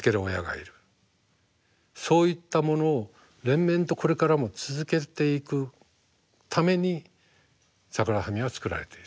そういったものを連綿とこれからも続けていくためにサグラダ・ファミリアは作られている。